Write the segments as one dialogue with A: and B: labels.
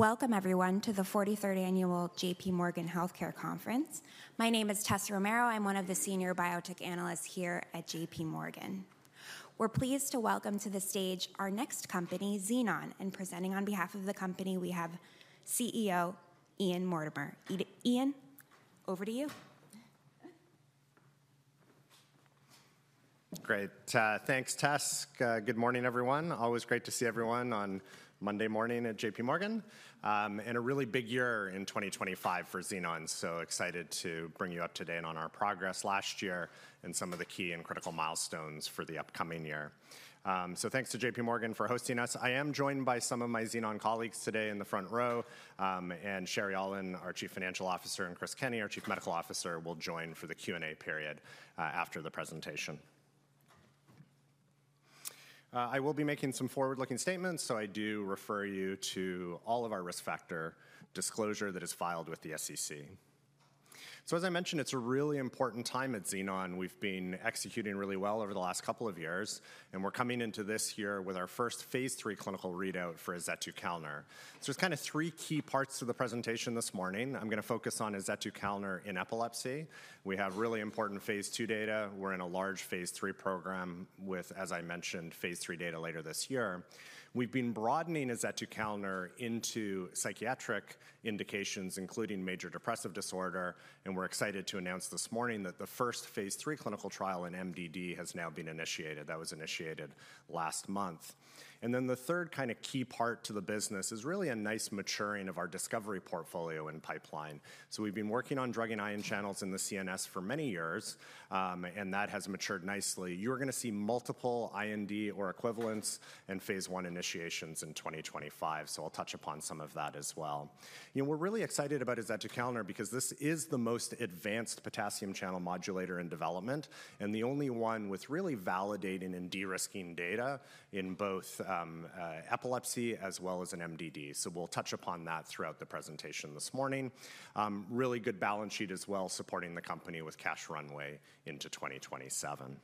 A: Welcome, everyone, to the 43rd Annual J.P. Morgan Healthcare Conference. My name is Tessa Romero. I'm one of the Senior Biotech Analysts here at J.P. Morgan. We're pleased to welcome to the stage our next company, Xenon, and presenting on behalf of the company, we have CEO Ian Mortimer. Ian, over to you.
B: Great. Thanks, Tess. Good morning, everyone. Always great to see everyone on Monday morning at J.P. Morgan. And a really big year in 2025 for Xenon. So excited to bring you up to date on our progress last year and some of the key and critical milestones for the upcoming year. So thanks to J.P. Morgan for hosting us. I am joined by some of my Xenon colleagues today in the front row, and Sherry Aulin, our Chief Financial Officer, and Chris Kenney, our Chief Medical Officer, will join for the Q&A period after the presentation. I will be making some forward-looking statements, so I do refer you to all of our risk factor disclosure that is filed with the SEC. So, as I mentioned, it's a really important time at Xenon. We've been executing really well over the last couple of years, and we're coming into this year with our first phase III clinical readout for azetukalner. So there's kind of three key parts to the presentation this morning. I'm going to focus on azetukalner in epilepsy. We have really important phase II data. We're in a large phase III program with, as I mentioned, phase III data later this year. We've been broadening azetukalner into psychiatric indications, including major depressive disorder, and we're excited to announce this morning that the first phase III clinical trial in MDD has now been initiated. That was initiated last month. And then the third kind of key part to the business is really a nice maturing of our discovery portfolio and pipeline. We've been working on drugging ion channels in the CNS for many years, and that has matured nicely. You are going to see multiple IND or equivalents and phase I initiations in 2025, so I'll touch upon some of that as well. We're really excited about azetukalner because this is the most advanced potassium channel modulator in development and the only one with really validating and de-risking data in both epilepsy as well as in MDD. We'll touch upon that throughout the presentation this morning. Really good balance sheet as well, supporting the company with cash runway into 2027.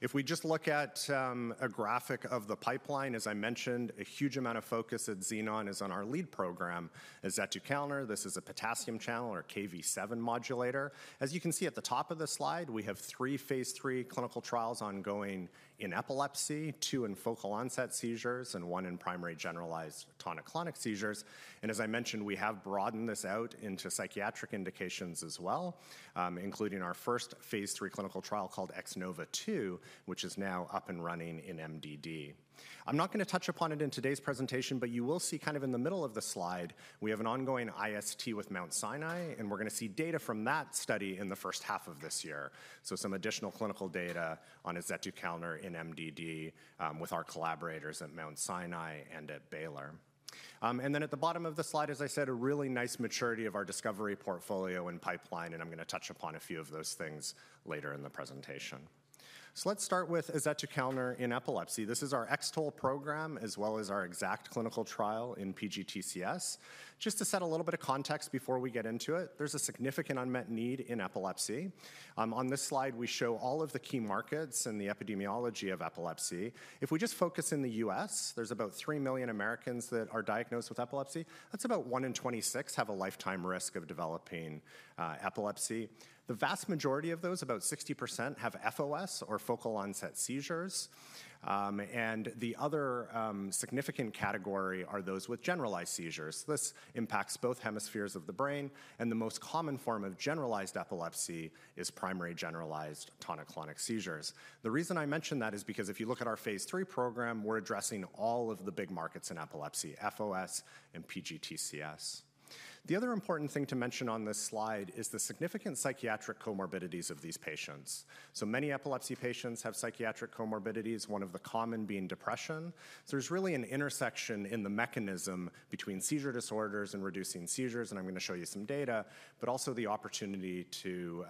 B: If we just look at a graphic of the pipeline, as I mentioned, a huge amount of focus at Xenon is on our lead program, azetukalner. This is a potassium channel or Kv7 modulator. As you can see at the top of the slide, we have three phase III clinical trials ongoing in epilepsy, two in focal onset seizures, and one in primary generalized tonic-clonic seizures and as I mentioned, we have broadened this out into psychiatric indications as well, including our first phase III clinical trial called X-NOVA2, which is now up and running in MDD. I'm not going to touch upon it in today's presentation, but you will see kind of in the middle of the slide, we have an ongoing IST with Mount Sinai, and we're going to see data from that study in the first half of this year, so some additional clinical data on azetukalner in MDD with our collaborators at Mount Sinai and at Baylor. Then at the bottom of the slide, as I said, a really nice maturity of our discovery portfolio and pipeline, and I'm going to touch upon a few of those things later in the presentation. Let's start with azetukalner in epilepsy. This is our X-TOLE program as well as our X-TOLE2 clinical trial in PGTCS. Just to set a little bit of context before we get into it, there's a significant unmet need in epilepsy. On this slide, we show all of the key markets and the epidemiology of epilepsy. If we just focus in the U.S., there's about 3 million Americans that are diagnosed with epilepsy. That's about 1 in 26 have a lifetime risk of developing epilepsy. The vast majority of those, about 60%, have FOS or focal onset seizures. The other significant category are those with generalized seizures. This impacts both hemispheres of the brain, and the most common form of generalized epilepsy is primary generalized tonic-clonic seizures. The reason I mentioned that is because if you look at our phase III program, we're addressing all of the big markets in epilepsy, FOS and PGTCS. The other important thing to mention on this slide is the significant psychiatric comorbidities of these patients, so many epilepsy patients have psychiatric comorbidities, one of the common being depression, so there's really an intersection in the mechanism between seizure disorders and reducing seizures, and I'm going to show you some data, but also the opportunity to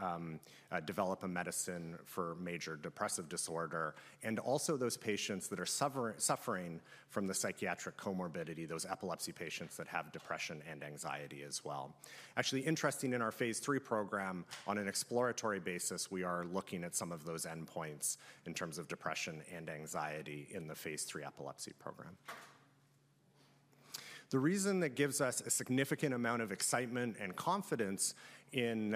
B: develop a medicine for major depressive disorder and also those patients that are suffering from the psychiatric comorbidity, those epilepsy patients that have depression and anxiety as well. Actually, interesting in our phase III program, on an exploratory basis, we are looking at some of those endpoints in terms of depression and anxiety in the phase III epilepsy program. The reason that gives us a significant amount of excitement and confidence in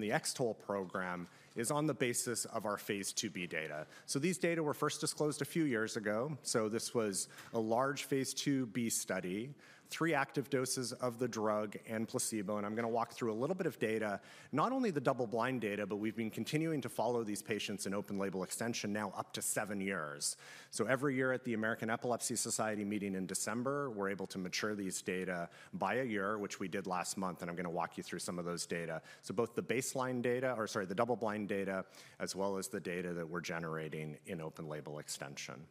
B: the X-TOLE program is on the basis of our phase II-B data. So these data were first disclosed a few years ago. So this was a large phase II-B study, three active doses of the drug and placebo, and I'm going to walk through a little bit of data, not only the double-blind data, but we've been continuing to follow these patients in open-label extension now up to seven years. So every year at the American Epilepsy Society meeting in December, we're able to mature these data by a year, which we did last month, and I'm going to walk you through some of those data. Both the baseline data, or sorry, the double-blind data, as well as the data that we're generating in open-label extension.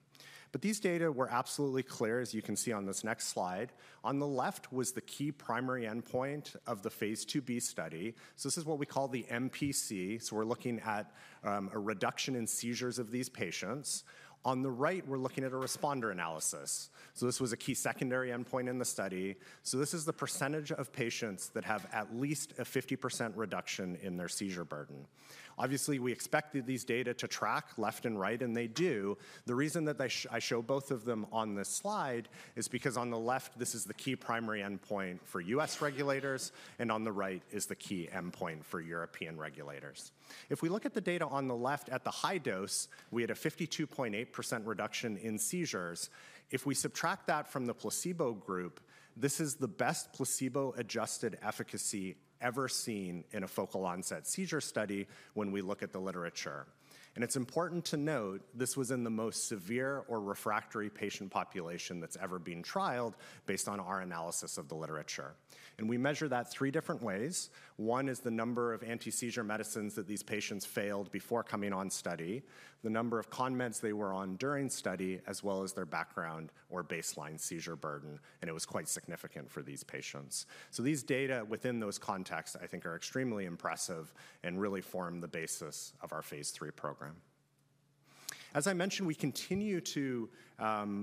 B: These data were absolutely clear, as you can see on this next slide. On the left was the key primary endpoint of the phase II-B study. This is what we call the MPC. We're looking at a reduction in seizures of these patients. On the right, we're looking at a responder analysis. This was a key secondary endpoint in the study. This is the percentage of patients that have at least a 50% reduction in their seizure burden. Obviously, we expected these data to track left and right, and they do. The reason that I show both of them on this slide is because on the left, this is the key primary endpoint for U.S. regulators, and on the right is the key endpoint for European regulators. If we look at the data on the left at the high dose, we had a 52.8% reduction in seizures. If we subtract that from the placebo group, this is the best placebo-adjusted efficacy ever seen in a focal onset seizure study when we look at the literature. And it's important to note this was in the most severe or refractory patient population that's ever been trialed based on our analysis of the literature. And we measure that three different ways. One is the number of anti-seizure medicines that these patients failed before coming on study, the number of con meds they were on during study, as well as their background or baseline seizure burden, and it was quite significant for these patients. So these data within those contexts, I think, are extremely impressive and really form the basis of our phase III program. As I mentioned, we continue to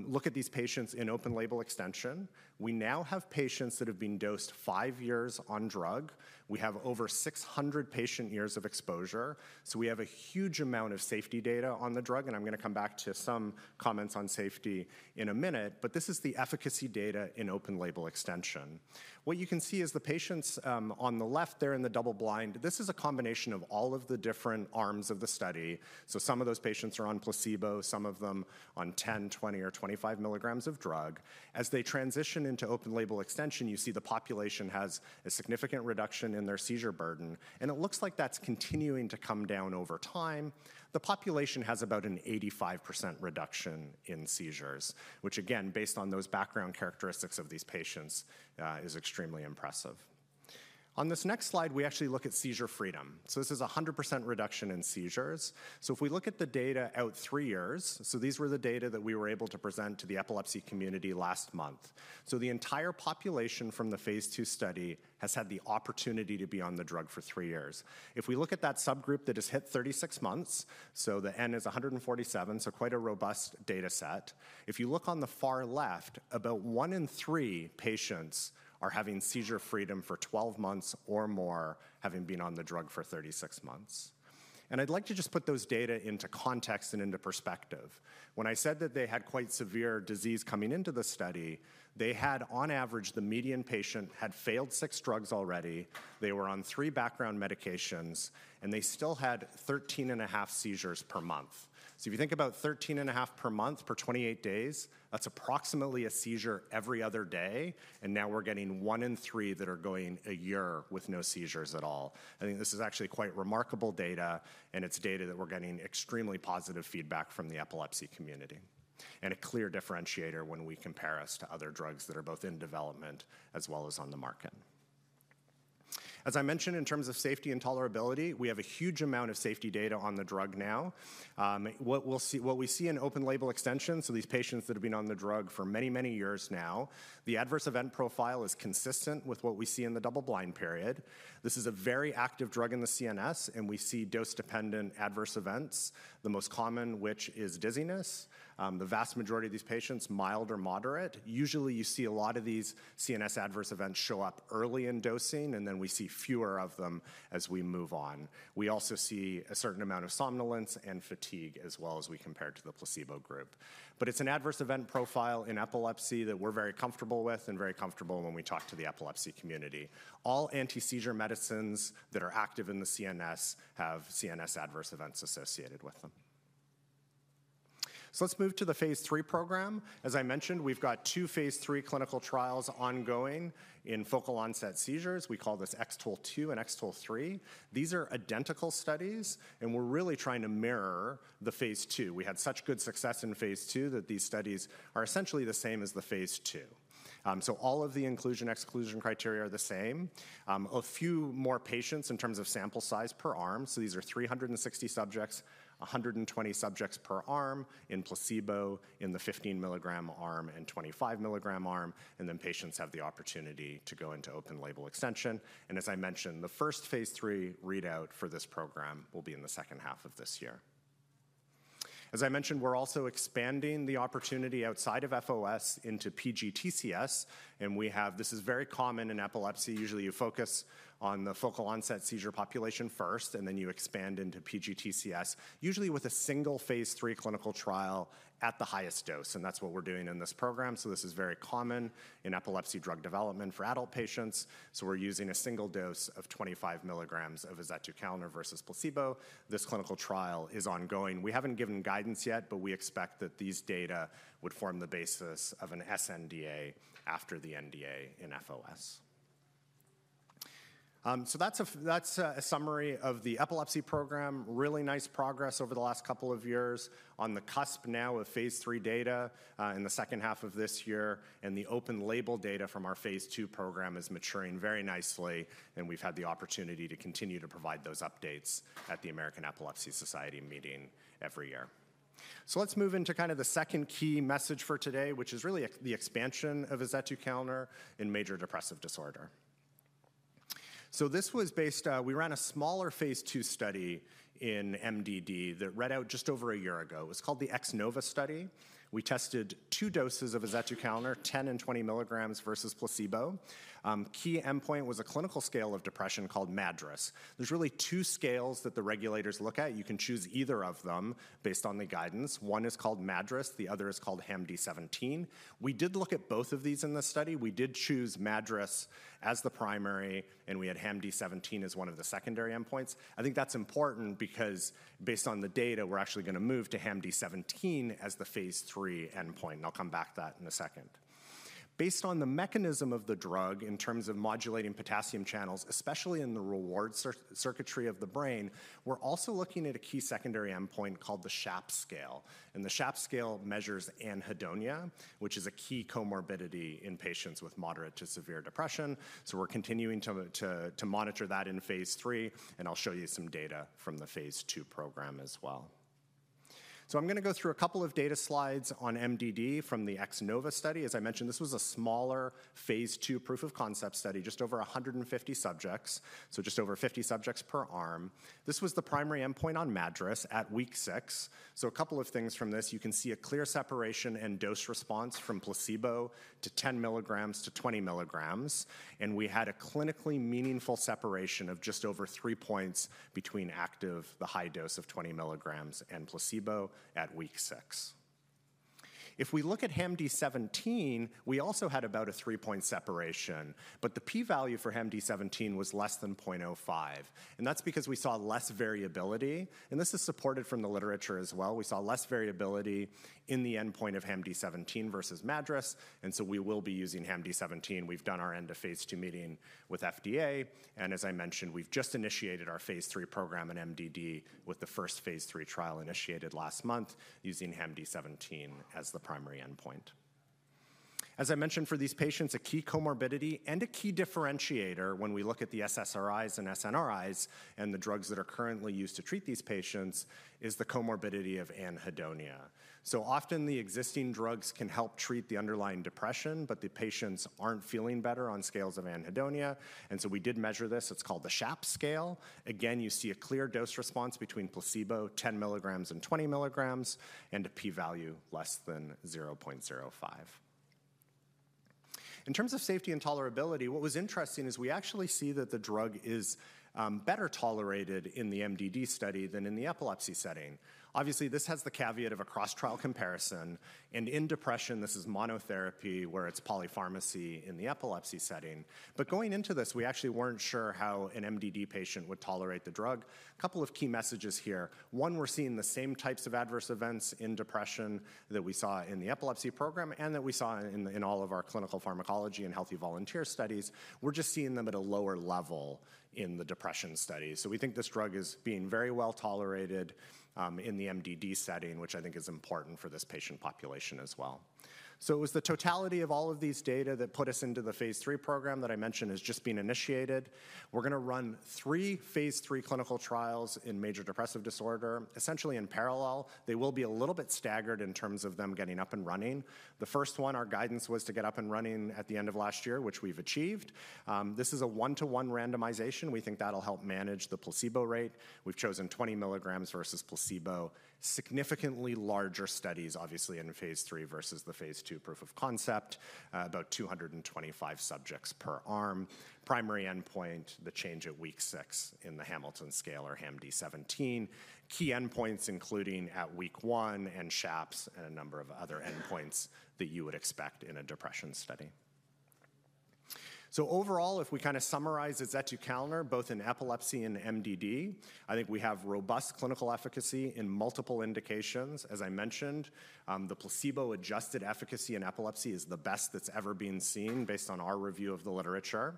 B: look at these patients in open-label extension. We now have patients that have been dosed five years on drug. We have over 600 patient years of exposure. So we have a huge amount of safety data on the drug, and I'm going to come back to some comments on safety in a minute, but this is the efficacy data in open-label extension. What you can see is the patients on the left, they're in the double-blind. This is a combination of all of the different arms of the study. So some of those patients are on placebo, some of them on 10, 20, or 25 mg of drug. As they transition into open-label extension, you see the population has a significant reduction in their seizure burden, and it looks like that's continuing to come down over time. The population has about an 85% reduction in seizures, which, again, based on those background characteristics of these patients, is extremely impressive. On this next slide, we actually look at seizure freedom. So this is a 100% reduction in seizures. So if we look at the data out three years, so these were the data that we were able to present to the epilepsy community last month. So the entire population from the phase II study has had the opportunity to be on the drug for three years. If we look at that subgroup that has hit 36 months, so the N is 147, so quite a robust data set. If you look on the far left, about one in three patients are having seizure freedom for 12 months or more having been on the drug for 36 months. And I'd like to just put those data into context and into perspective. When I said that they had quite severe disease coming into the study, they had, on average, the median patient had failed six drugs already, they were on three background medications, and they still had 13.5 seizures per month. So if you think about 13.5 per month per 28 days, that's approximately a seizure every other day, and now we're getting one in three that are going a year with no seizures at all. I think this is actually quite remarkable data, and it's data that we're getting extremely positive feedback from the epilepsy community and a clear differentiator when we compare us to other drugs that are both in development as well as on the market. As I mentioned, in terms of safety and tolerability, we have a huge amount of safety data on the drug now. What we see in open-label extension, so these patients that have been on the drug for many, many years now, the adverse event profile is consistent with what we see in the double-blind period. This is a very active drug in the CNS, and we see dose-dependent adverse events, the most common, which is dizziness. The vast majority of these patients, mild or moderate. Usually, you see a lot of these CNS adverse events show up early in dosing, and then we see fewer of them as we move on. We also see a certain amount of somnolence and fatigue as well as we compare to the placebo group. But it's an adverse event profile in epilepsy that we're very comfortable with and very comfortable when we talk to the epilepsy community. All anti-seizure medicines that are active in the CNS have CNS adverse events associated with them. So let's move to the phase III program. As I mentioned, we've got two phase III clinical trials ongoing in focal onset seizures. We call this X-TOLE2 and X-TOLE3. These are identical studies, and we're really trying to mirror the phase II. We had such good success in phase II that these studies are essentially the same as the phase II. All of the inclusion-exclusion criteria are the same. A few more patients in terms of sample size per arm. These are 360 subjects, 120 subjects per arm in placebo, in the 15 mg arm and 25 mg arm, and then patients have the opportunity to go into open-label extension. As I mentioned, the first phase III readout for this program will be in the second half of this year. As I mentioned, we're also expanding the opportunity outside of FOS into PGTCS, and we have, this is very common in epilepsy. Usually, you focus on the focal onset seizure population first, and then you expand into PGTCS, usually with a single phase III clinical trial at the highest dose, and that's what we're doing in this program. This is very common in epilepsy drug development for adult patients. We're using a single dose of 25 mg of azetukalner versus placebo. This clinical trial is ongoing. We haven't given guidance yet, but we expect that these data would form the basis of an sNDA after the NDA in FOS. So that's a summary of the epilepsy program. Really nice progress over the last couple of years on the cusp now of phase III data in the second half of this year, and the open-label data from our phase II program is maturing very nicely, and we've had the opportunity to continue to provide those updates at the American Epilepsy Society meeting every year. So let's move into kind of the second key message for today, which is really the expansion of azetukalner in major depressive disorder. So this was based, we ran a smaller phase II study in MDD that read out just over a year ago. It was called the X-NOVA study. We tested two doses of azetukalner, 10 mg and 20 mg versus placebo. Key endpoint was a clinical scale of depression called MADRS. There's really two scales that the regulators look at. You can choose either of them based on the guidance. One is called MADRS. The other is called HAM-D17. We did look at both of these in this study. We did choose MADRS as the primary, and we had HAM-D17 as one of the secondary endpoints. I think that's important because based on the data, we're actually going to move to HAM-D17 as the phase III endpoint, and I'll come back to that in a second. Based on the mechanism of the drug in terms of modulating potassium channels, especially in the reward circuitry of the brain, we're also looking at a key secondary endpoint called the SHAPS scale. And the SHAPS scale measures anhedonia, which is a key comorbidity in patients with moderate to severe depression. So we're continuing to monitor that in phase III, and I'll show you some data from the phase II program as well. So I'm going to go through a couple of data slides on MDD from the X-NOVA study. As I mentioned, this was a smaller phase II proof of concept study, just over 150 subjects, so just over 50 subjects per arm. This was the primary endpoint on MADRS at week six. A couple of things from this, you can see a clear separation in dose response from placebo to 10 mg to 20 mg, and we had a clinically meaningful separation of just over three points between active, the high dose of 20 mg and placebo at week six. If we look at HAM-D17, we also had about a three-point separation, but the p-value for HAM-D17 was less than 0.05, and that's because we saw less variability, and this is supported from the literature as well. We saw less variability in the endpoint of HAM-D17 versus MADRS, and so we will be using HAM-D17. We've done our end of phase II meeting with FDA, and as I mentioned, we've just initiated our phase III program in MDD with the first phase III trial initiated last month using HAM-D17 as the primary endpoint. As I mentioned, for these patients, a key comorbidity and a key differentiator when we look at the SSRIs and SNRIs and the drugs that are currently used to treat these patients is the comorbidity of anhedonia. So often the existing drugs can help treat the underlying depression, but the patients aren't feeling better on scales of anhedonia, and so we did measure this. It's called the SHAPS scale. Again, you see a clear dose response between placebo, 10 mg and 20 mg, and a p-value less than 0.05. In terms of safety and tolerability, what was interesting is we actually see that the drug is better tolerated in the MDD study than in the epilepsy setting. Obviously, this has the caveat of a cross-trial comparison, and in depression, this is monotherapy where it's polypharmacy in the epilepsy setting. But going into this, we actually weren't sure how an MDD patient would tolerate the drug. A couple of key messages here. One, we're seeing the same types of adverse events in depression that we saw in the epilepsy program and that we saw in all of our clinical pharmacology and healthy volunteer studies. We're just seeing them at a lower level in the depression study. So we think this drug is being very well tolerated in the MDD setting, which I think is important for this patient population as well. So it was the totality of all of these data that put us into the phase III program that I mentioned has just been initiated. We're going to run three phase III clinical trials in major depressive disorder, essentially in parallel. They will be a little bit staggered in terms of them getting up and running. The first one, our guidance was to get up and running at the end of last year, which we've achieved. This is a one-to-one randomization. We think that'll help manage the placebo rate. We've chosen 20 mg versus placebo. Significantly larger studies, obviously, in phase III versus the phase II proof of concept, about 225 subjects per arm. Primary endpoint, the change at week six in the Hamilton scale or HAM-D17. Key endpoints including at week one and SHAPS and a number of other endpoints that you would expect in a depression study. So overall, if we kind of summarize azetukalner, both in epilepsy and MDD, I think we have robust clinical efficacy in multiple indications. As I mentioned, the placebo-adjusted efficacy in epilepsy is the best that's ever been seen based on our review of the literature.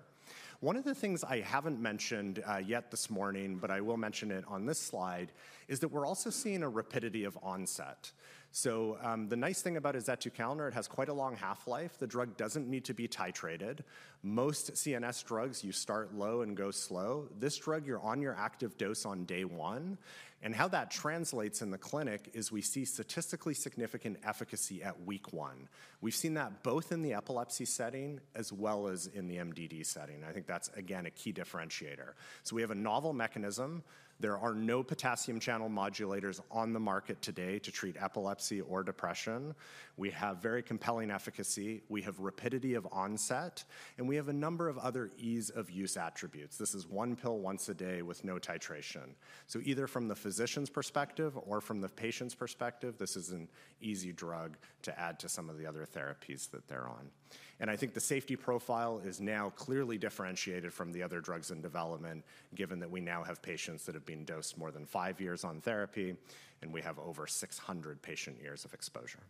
B: One of the things I haven't mentioned yet this morning, but I will mention it on this slide, is that we're also seeing a rapidity of onset. So the nice thing about azetukalner, it has quite a long half-life. The drug doesn't need to be titrated. Most CNS drugs, you start low and go slow. This drug, you're on your active dose on day one. And how that translates in the clinic is we see statistically significant efficacy at week one. We've seen that both in the epilepsy setting as well as in the MDD setting. I think that's, again, a key differentiator. So we have a novel mechanism. There are no potassium channel modulators on the market today to treat epilepsy or depression. We have very compelling efficacy. We have rapidity of onset, and we have a number of other ease-of-use attributes. This is one pill once a day with no titration. So either from the physician's perspective or from the patient's perspective, this is an easy drug to add to some of the other therapies that they're on. And I think the safety profile is now clearly differentiated from the other drugs in development, given that we now have patients that have been dosed more than five years on therapy, and we have over 600 patient years of exposure.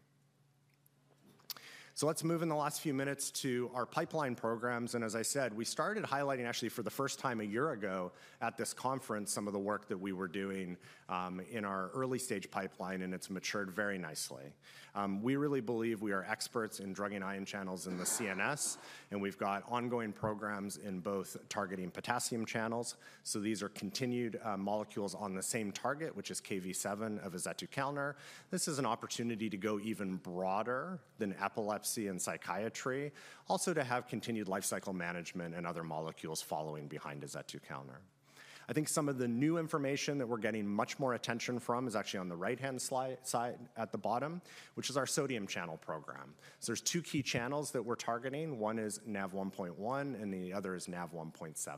B: So let's move in the last few minutes to our pipeline programs. And as I said, we started highlighting actually for the first time a year ago at this conference some of the work that we were doing in our early stage pipeline, and it's matured very nicely. We really believe we are experts in drug and ion channels in the CNS, and we've got ongoing programs in both targeting potassium channels. These are continued molecules on the same target, which is Kv7 of azetukalner. This is an opportunity to go even broader than epilepsy and psychiatry, also to have continued life cycle management and other molecules following behind azetukalner. I think some of the new information that we're getting much more attention from is actually on the right-hand side at the bottom, which is our sodium channel program. There's two key channels that we're targeting. One is NaV1.1, and the other is NaV1.7.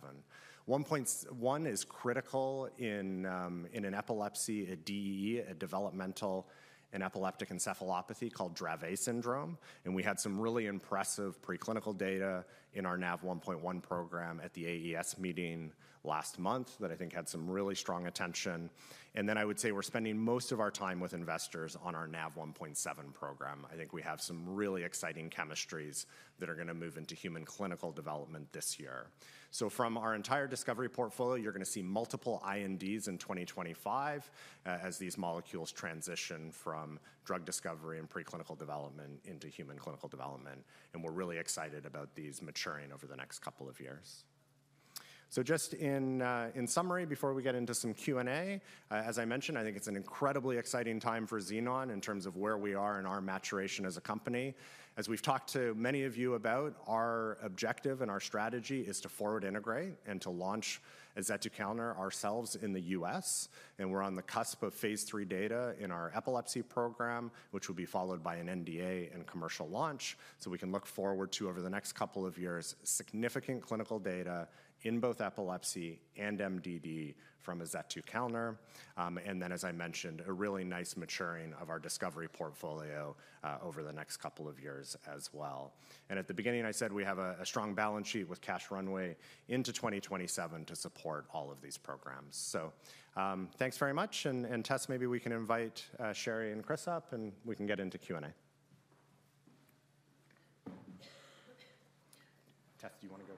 B: 1.1 is critical in an epilepsy, a DEE, a developmental and epileptic encephalopathy called Dravet Syndrome. We had some really impressive preclinical data in our NaV1.1 program at the AES meeting last month that I think had some really strong attention. Then I would say we're spending most of our time with investors on our NaV1.7 program. I think we have some really exciting chemistries that are going to move into human clinical development this year. So from our entire discovery portfolio, you're going to see multiple INDs in 2025 as these molecules transition from drug discovery and preclinical development into human clinical development. And we're really excited about these maturing over the next couple of years. So just in summary, before we get into some Q&A, as I mentioned, I think it's an incredibly exciting time for Xenon in terms of where we are in our maturation as a company. As we've talked to many of you about, our objective and our strategy is to forward integrate and to launch azetukalner ourselves in the U.S. And we're on the cusp of phase III data in our epilepsy program, which will be followed by an NDA and commercial launch. So we can look forward to, over the next couple of years, significant clinical data in both epilepsy and MDD from azetukalner. And then, as I mentioned, a really nice maturing of our discovery portfolio over the next couple of years as well. And at the beginning, I said we have a strong balance sheet with cash runway into 2027 to support all of these programs. So thanks very much. And Tess, maybe we can invite Sherry and Chris up, and we can get into Q&A. Tess, do you want to go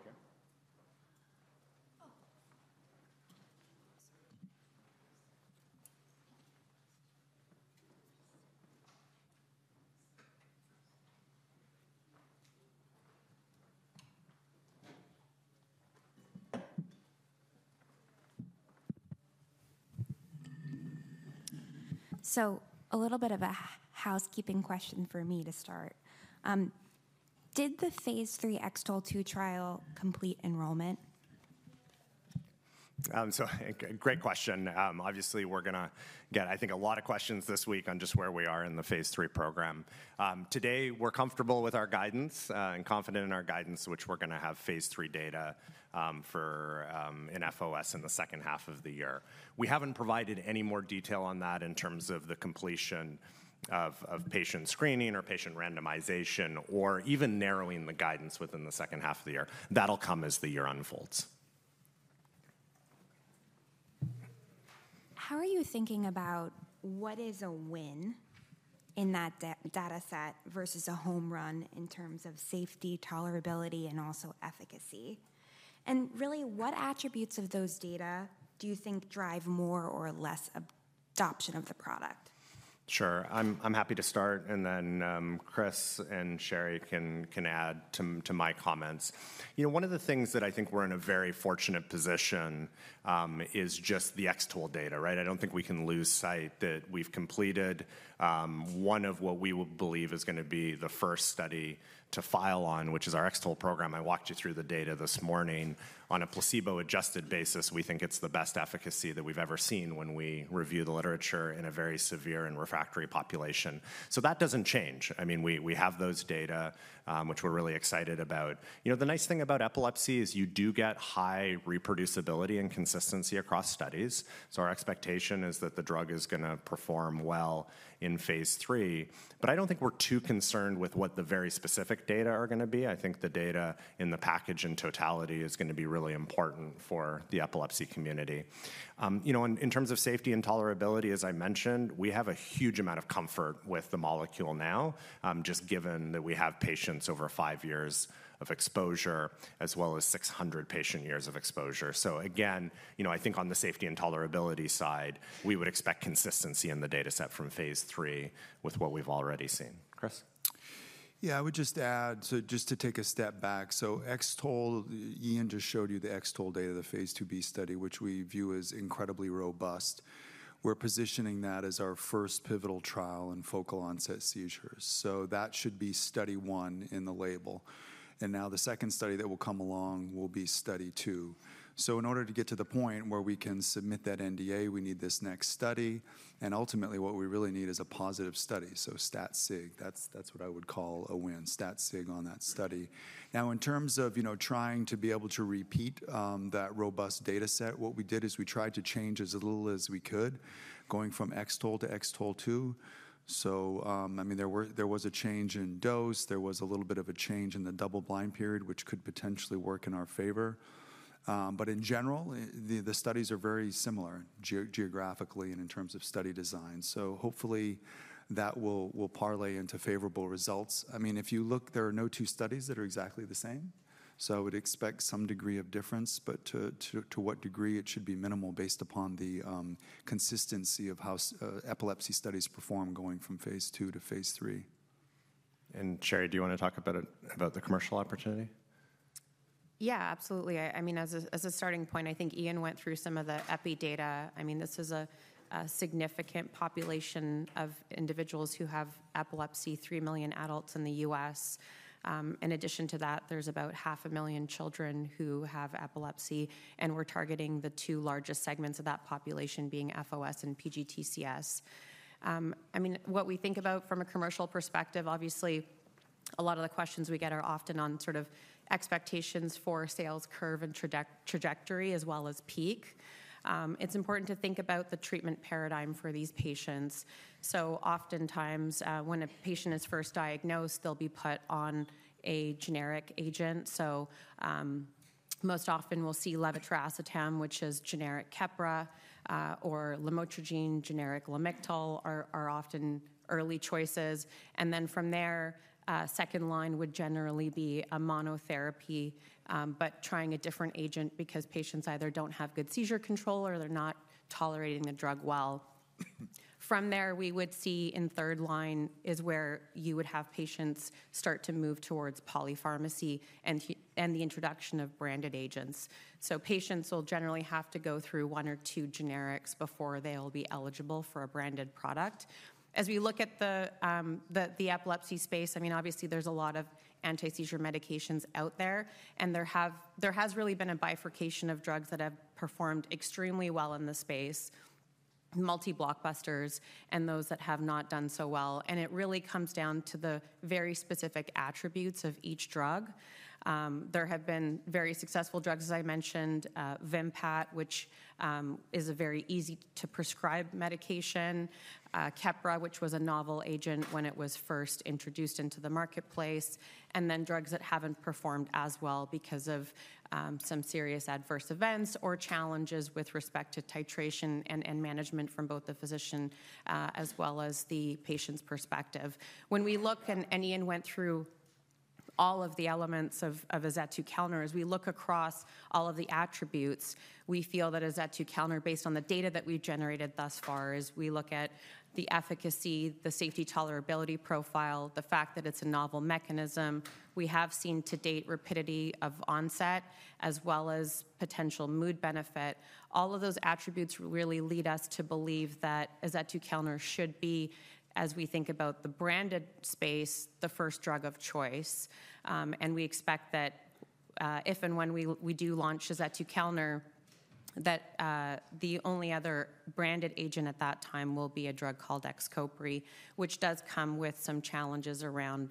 B: here?
A: So a little bit of a housekeeping question for me to start. Did the phase III X-TOLE2 trial complete enrollment?
B: So great question. Obviously, we're going to get, I think, a lot of questions this week on just where we are in the phase III program. Today, we're comfortable with our guidance and confident in our guidance, which we're going to have phase III data for in FOS in the second half of the year. We haven't provided any more detail on that in terms of the completion of patient screening or patient randomization or even narrowing the guidance within the second half of the year. That'll come as the year unfolds.
A: How are you thinking about what is a win in that dataset versus a home run in terms of safety, tolerability, and also efficacy? And really, what attributes of those data do you think drive more or less adoption of the product?
B: Sure. I'm happy to start, and then Chris and Sherry can add to my comments. You know, one of the things that I think we're in a very fortunate position is just the X-TOLE data, right? I don't think we can lose sight that we've completed one of what we believe is going to be the first study to file on, which is our X-TOLE program. I walked you through the data this morning. On a placebo-adjusted basis, we think it's the best efficacy that we've ever seen when we review the literature in a very severe and refractory population. So that doesn't change. I mean, we have those data, which we're really excited about. You know, the nice thing about epilepsy is you do get high reproducibility and consistency across studies. So our expectation is that the drug is going to perform well in phase III. But I don't think we're too concerned with what the very specific data are going to be. I think the data in the package in totality is going to be really important for the epilepsy community. You know, in terms of safety and tolerability, as I mentioned, we have a huge amount of comfort with the molecule now, just given that we have patients over five years of exposure as well as 600 patient years of exposure. So again, you know, I think on the safety and tolerability side, we would expect consistency in the dataset from phase III with what we've already seen. Chris?
C: Yeah, I would just add, so just to take a step back, so X-TOLE, Ian just showed you the X-TOLE data of the phase II-B study, which we view as incredibly robust. We're positioning that as our first pivotal trial in focal onset seizures. So that should be study one in the label. And now the second study that will come along will be study two. So in order to get to the point where we can submit that NDA, we need this next study. And ultimately, what we really need is a positive study. So stat sig, that's what I would call a win, stat sig on that study. Now, in terms of, you know, trying to be able to repeat that robust dataset, what we did is we tried to change as little as we could going from X-TOLE to X-TOLE2. So, I mean, there was a change in dose. There was a little bit of a change in the double-blind period, which could potentially work in our favor. But in general, the studies are very similar geographically and in terms of study design. So hopefully, that will parlay into favorable results. I mean, if you look, there are no two studies that are exactly the same. I would expect some degree of difference, but to what degree it should be minimal based upon the consistency of how epilepsy studies perform going from phase II to phase III. Sherry, do you want to talk about the commercial opportunity?
D: Yeah, absolutely. I mean, as a starting point, I think Ian went through some of the EPI data. I mean, this is a significant population of individuals who have epilepsy, three million adults in the U.S. In addition to that, there's about 500,000 children who have epilepsy. We're targeting the two largest segments of that population being FOS and PGTCS. I mean, what we think about from a commercial perspective, obviously, a lot of the questions we get are often on sort of expectations for sales curve and trajectory as well as peak. It's important to think about the treatment paradigm for these patients. Oftentimes, when a patient is first diagnosed, they'll be put on a generic agent. Most often, we'll see levetiracetam, which is generic Keppra, or lamotrigine, generic Lamictal, are often early choices. Then from there, second line would generally be a monotherapy, but trying a different agent because patients either don't have good seizure control or they're not tolerating the drug well. From there, we would see in third line is where you would have patients start to move towards polypharmacy and the introduction of branded agents. Patients will generally have to go through one or two generics before they'll be eligible for a branded product. As we look at the epilepsy space, I mean, obviously, there's a lot of anti-seizure medications out there. There has really been a bifurcation of drugs that have performed extremely well in the space, multi-blockbusters and those that have not done so well. It really comes down to the very specific attributes of each drug. There have been very successful drugs, as I mentioned, Vimpat, which is a very easy-to-prescribe medication, Keppra, which was a novel agent when it was first introduced into the marketplace, and then drugs that haven't performed as well because of some serious adverse events or challenges with respect to titration and management from both the physician as well as the patient's perspective. When we look, and Ian went through all of the elements of azetukalner, as we look across all of the attributes, we feel that azetukalner, based on the data that we've generated thus far, as we look at the efficacy, the safety tolerability profile, the fact that it's a novel mechanism, we have seen to date rapidity of onset as well as potential mood benefit. All of those attributes really lead us to believe that azetukalner should be, as we think about the branded space, the first drug of choice. And we expect that if and when we do launch azetukalner, that the only other branded agent at that time will be a drug called XCOPRI, which does come with some challenges around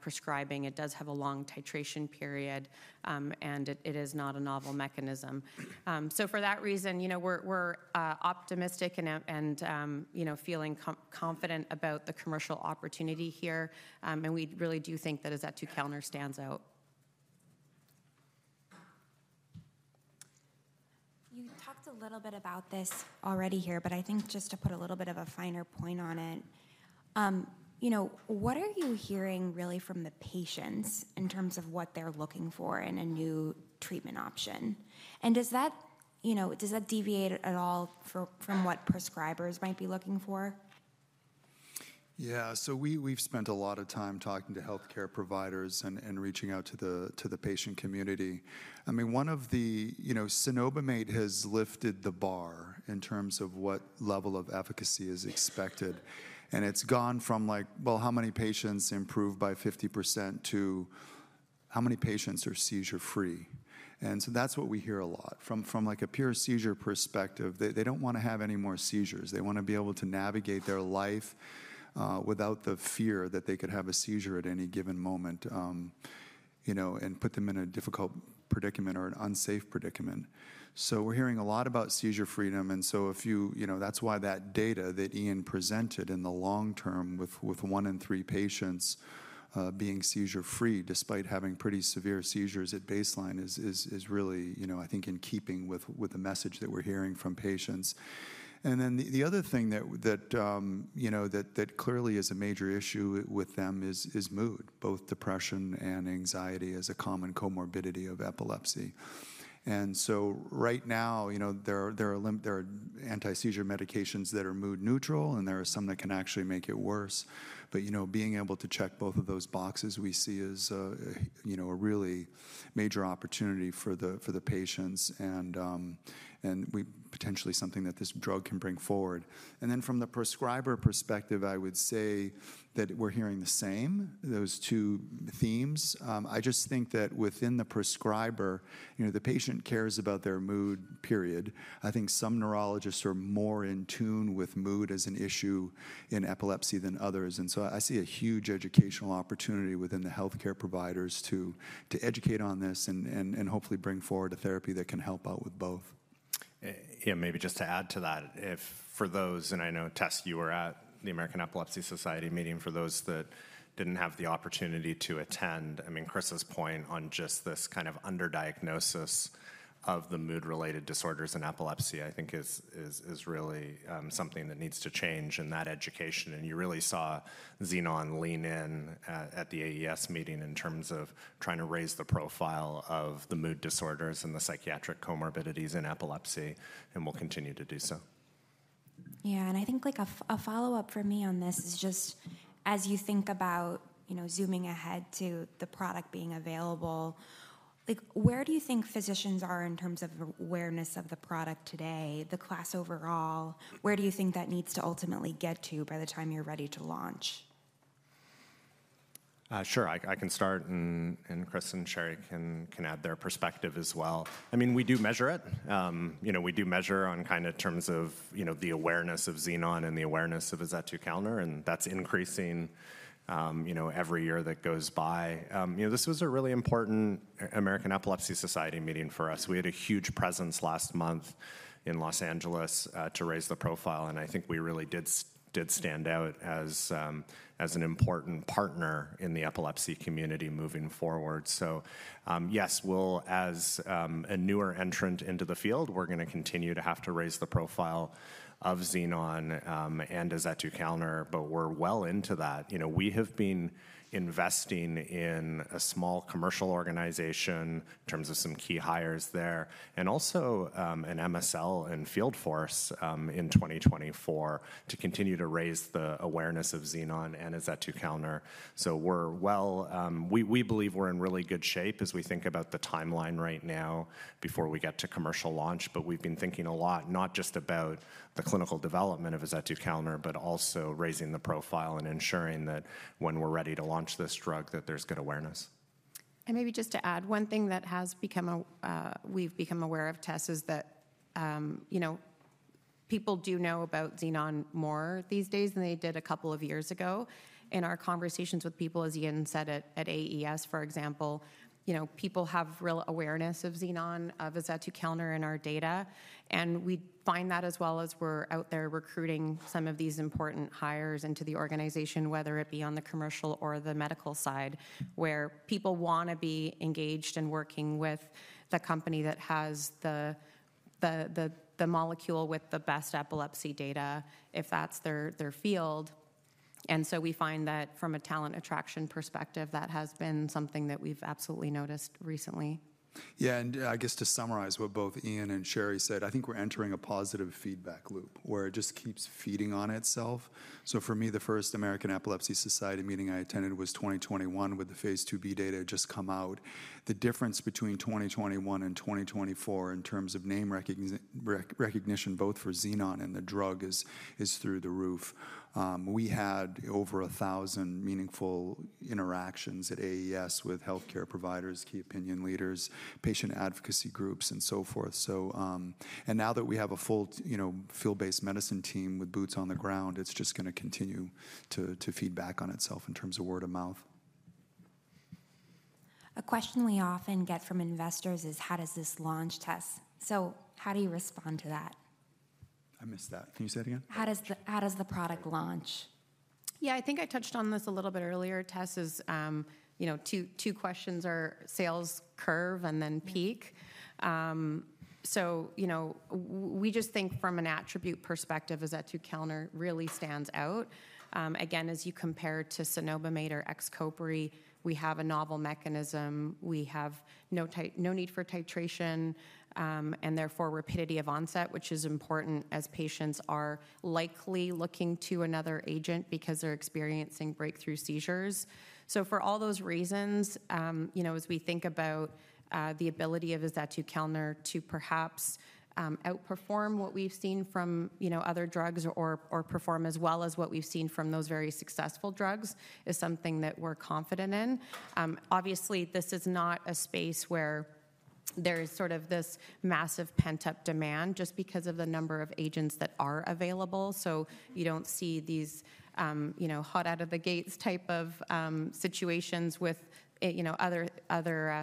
D: prescribing. It does have a long titration period, and it is not a novel mechanism. For that reason, you know, we're optimistic and feeling confident about the commercial opportunity here. And we really do think that azetukalner stands out. You talked a little bit about this already here, but I think just to put a little bit of a finer point on it, you know, what are you hearing really from the patients in terms of what they're looking for in a new treatment option? And does that deviate at all from what prescribers might be looking for?
C: Yeah, so we've spent a lot of time talking to healthcare providers and reaching out to the patient community. I mean, one of the, you know, cenobamate has lifted the bar in terms of what level of efficacy is expected. And it's gone from like, well, how many patients improve by 50% to how many patients are seizure-free. And so that's what we hear a lot. From like a pure seizure perspective, they don't want to have any more seizures. They want to be able to navigate their life without the fear that they could have a seizure at any given moment, you know, and put them in a difficult predicament or an unsafe predicament. So we're hearing a lot about seizure freedom. And so if you, you know, that's why that data that Ian presented in the long term with one in three patients being seizure-free despite having pretty severe seizures at baseline is really, you know, I think in keeping with the message that we're hearing from patients. And then the other thing that, you know, that clearly is a major issue with them is mood, both depression and anxiety as a common comorbidity of epilepsy. Right now, you know, there are anti-seizure medications that are mood neutral, and there are some that can actually make it worse. You know, being able to check both of those boxes we see is, you know, a really major opportunity for the patients and potentially something that this drug can bring forward. From the prescriber perspective, I would say that we're hearing the same, those two themes. I just think that within the prescriber, you know, the patient cares about their mood, period. I think some neurologists are more in tune with mood as an issue in epilepsy than others. I see a huge educational opportunity within the healthcare providers to educate on this and hopefully bring forward a therapy that can help out with both.
B: Yeah, maybe just to add to that. If, for those, and I know Tess, you were at the American Epilepsy Society meeting for those that didn't have the opportunity to attend. I mean, Chris's point on just this kind of underdiagnosis of the mood-related disorders and epilepsy, I think is really something that needs to change in that education. You really saw Xenon lean in at the AES meeting in terms of trying to raise the profile of the mood disorders and the psychiatric comorbidities in epilepsy, and will continue to do so.
A: Yeah, I think like a follow-up for me on this is just as you think about, you know, zooming ahead to the product being available. Like where do you think physicians are in terms of awareness of the product today, the class overall? Where do you think that needs to ultimately get to by the time you're ready to launch?
B: Sure, I can start, and Chris and Sherry can add their perspective as well. I mean, we do measure it. You know, we do measure on kind of terms of, you know, the awareness of Xenon and the awareness of azetukalner, and that's increasing, you know, every year that goes by. You know, this was a really important American Epilepsy Society meeting for us. We had a huge presence last month in Los Angeles to raise the profile, and I think we really did stand out as an important partner in the epilepsy community moving forward. So yes, we'll, as a newer entrant into the field, we're going to continue to have to raise the profile of Xenon and azetukalner, but we're well into that. You know, we have been investing in a small commercial organization in terms of some key hires there, and also an MSL in Field Force in 2024 to continue to raise the awareness of Xenon and azetukalner. So we're well, we believe we're in really good shape as we think about the timeline right now before we get to commercial launch, but we've been thinking a lot, not just about the clinical development of azetukalner, but also raising the profile and ensuring that when we're ready to launch this drug, that there's good awareness.
D: And maybe just to add, one thing that has become a, we've become aware of, Tessa, is that, you know, people do know about Xenon more these days than they did a couple of years ago. In our conversations with people, as Ian said at AES, for example, you know, people have real awareness of Xenon, of azetukalner in our data. And we find that as well as we're out there recruiting some of these important hires into the organization, whether it be on the commercial or the medical side, where people want to be engaged and working with the company that has the molecule with the best epilepsy data, if that's their field. And so we find that from a talent attraction perspective, that has been something that we've absolutely noticed recently.
C: Yeah, and I guess to summarize what both Ian and Sherry said, I think we're entering a positive feedback loop where it just keeps feeding on itself. For me, the first American Epilepsy Society meeting I attended was 2021 with the phase II-B data just come out. The difference between 2021 and 2024 in terms of name recognition, both for Xenon and the drug, is through the roof. We had over a thousand meaningful interactions at AES with healthcare providers, key opinion leaders, patient advocacy groups, and so forth. So, and now that we have a full, you know, field-based medicine team with boots on the ground, it's just going to continue to feed back on itself in terms of word of mouth.
A: A question we often get from investors is, how does this launch, Tess? So how do you respond to that? I missed that.
C: Can you say that again?
A: How does the product launch?
D: Yeah, I think I touched on this a little bit earlier, Tess, is, you know, two questions are sales curve and then peak. So, you know, we just think from an attribute perspective azetukalner really stands out. Again, as you compare to cenobamate or XCOPRI, we have a novel mechanism. We have no need for titration and therefore rapidity of onset, which is important as patients are likely looking to another agent because they're experiencing breakthrough seizures. So for all those reasons, you know, as we think about the ability of azetukalner to perhaps outperform what we've seen from, you know, other drugs or perform as well as what we've seen from those very successful drugs is something that we're confident in. Obviously, this is not a space where there is sort of this massive pent-up demand just because of the number of agents that are available. So you don't see these, you know, hot out of the gates type of situations with, you know, other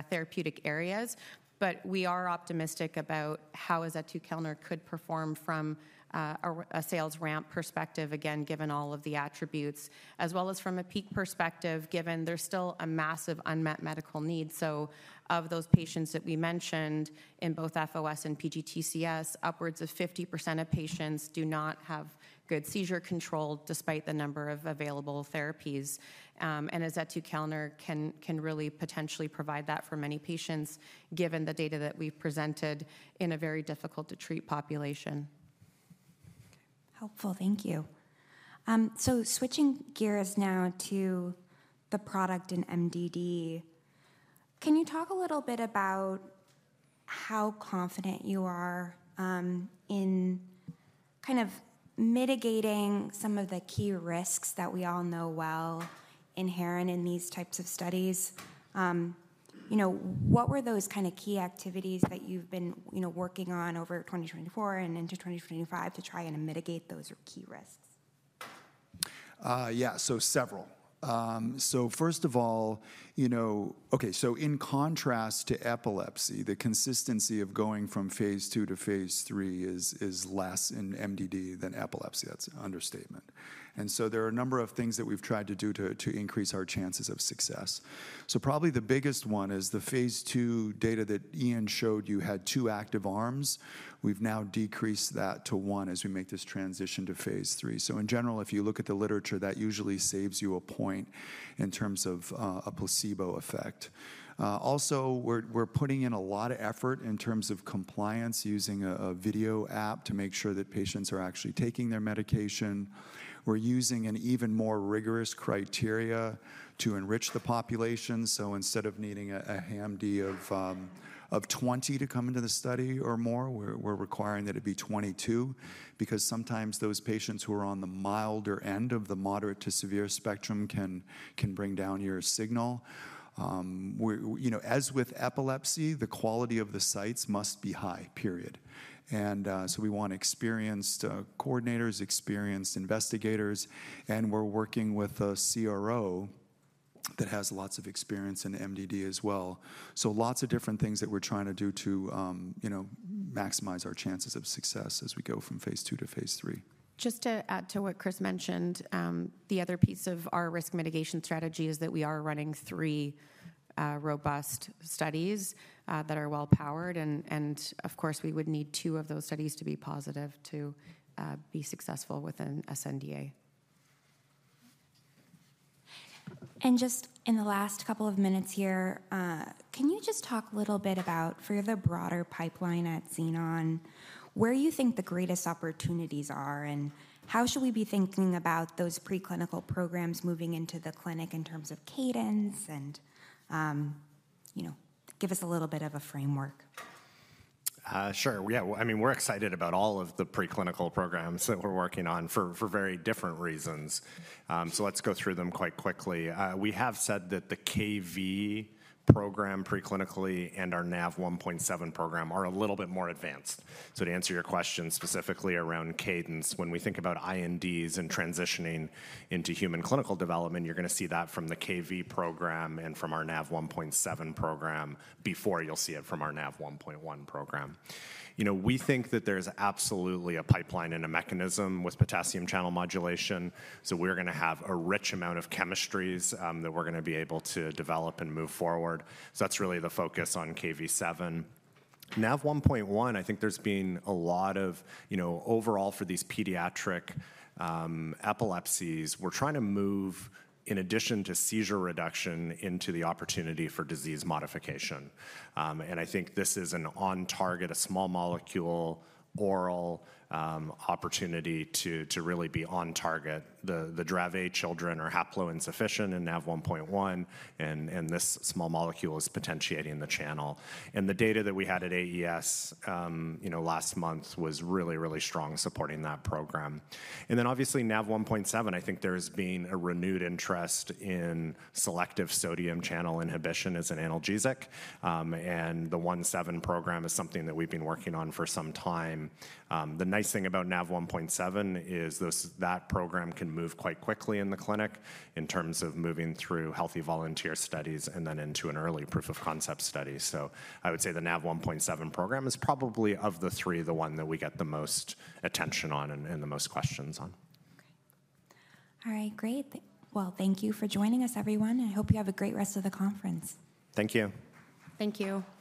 D: therapeutic areas. But we are optimistic about how azetukalner could perform from a sales ramp perspective, again, given all of the attributes, as well as from a peak perspective, given there's still a massive unmet medical need. So of those patients that we mentioned in both FOS and PGTCS, upwards of 50% of patients do not have good seizure control despite the number of available therapies. And azetukalner can really potentially provide that for many patients, given the data that we've presented in a very difficult-to-treat population.
A: Helpful, thank you. So switching gears now to the product and MDD, can you talk a little bit about how confident you are in kind of mitigating some of the key risks that we all know well inherent in these types of studies? You know, what were those kind of key activities that you've been, you know, working on over 2024 and into 2025 to try and mitigate those key risks?
C: Yeah, so several. So first of all, you know, okay, so in contrast to epilepsy, the consistency of going from phase II to phase III is less in MDD than epilepsy. That's an understatement. And so there are a number of things that we've tried to do to increase our chances of success. So probably the biggest one is the phase II data that Ian showed you, had two active arms. We've now decreased that to one as we make this transition to phase III. So in general, if you look at the literature, that usually saves you a point in terms of a placebo effect. Also, we're putting in a lot of effort in terms of compliance using a video app to make sure that patients are actually taking their medication. We're using an even more rigorous criteria to enrich the population. So instead of needing a HAM-D of 20 to come into the study or more, we're requiring that it be 22 because sometimes those patients who are on the milder end of the moderate to severe spectrum can bring down your signal. You know, as with epilepsy, the quality of the sites must be high, period. And so we want experienced coordinators, experienced investigators, and we're working with a CRO that has lots of experience in MDD as well. So lots of different things that we're trying to do to, you know, maximize our chances of success as we go from phase II to phase III.
D: Just to add to what Chris mentioned, the other piece of our risk mitigation strategy is that we are running three robust studies that are well-powered, and of course, we would need two of those studies to be positive to be successful within sNDA.
A: And just in the last couple of minutes here, can you just talk a little bit about for the broader pipeline at Xenon, where you think the greatest opportunities are and how should we be thinking about those preclinical programs moving into the clinic in terms of cadence and, you know, give us a little bit of a framework?
B: Sure, yeah, I mean, we're excited about all of the preclinical programs that we're working on for very different reasons, so let's go through them quite quickly. We have said that the Kv7 program preclinically and our NaV1.7 program are a little bit more advanced. To answer your question specifically around cadence, when we think about INDs and transitioning into human clinical development, you're going to see that from the Kv7 program and from our NaV1.7 program before you'll see it from our NaV1.1 program. You know, we think that there's absolutely a pipeline and a mechanism with potassium channel modulation. So we're going to have a rich amount of chemistries that we're going to be able to develop and move forward. So that's really the focus on Kv7. NaV1.1, I think there's been a lot of, you know, overall for these pediatric epilepsies, we're trying to move in addition to seizure reduction into the opportunity for disease modification. And I think this is an on-target, a small molecule oral opportunity to really be on-target. The Dravet children are haplo-insufficient in NaV1.1, and this small molecule is potentiating the channel. And the data that we had at AES, you know, last month was really, really strong supporting that program. And then obviously NaV1.7, I think there has been a renewed interest in selective sodium channel inhibition as an analgesic. And the NaV1.7 program is something that we've been working on for some time. The nice thing about NaV1.7 is that program can move quite quickly in the clinic in terms of moving through healthy volunteer studies and then into an early proof of concept study. So I would say the NaV1.7 program is probably of the three the one that we get the most attention on and the most questions on.
A: All right, great. Well, thank you for joining us, everyone. I hope you have a great rest of the conference.
B: Thank you.
D: Thank you.